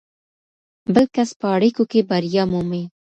بل کس په اړیکو کې بریا مومي.